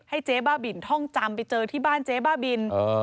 เจ๊บ้าบินท่องจำไปเจอที่บ้านเจ๊บ้าบิน